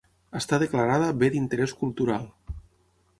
Està declarada Bé d'interès cultural.